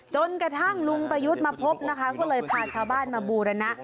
จนกระทั่งลุงประยุทธ์มาพบนะคะก็เลยพาชาวบ้านมาบูรณะ